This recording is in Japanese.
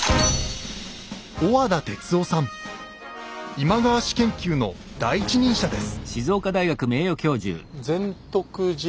今川氏研究の第一人者です。